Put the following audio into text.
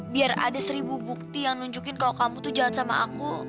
biar ada seribu bukti yang nunjukin kalau kamu tuh jalan sama aku